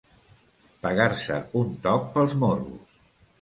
Pegar-se un toc pels morros.